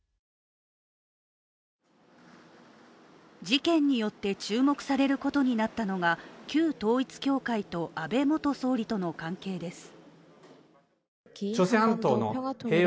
事件によって注目されることになったのが旧統一教会と安倍元総理との関係です。